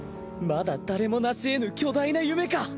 まだ誰も成し得ぬ巨大な夢か！